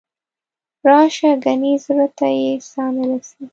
راشه ګنې زړه ته یې ساه نه رسي.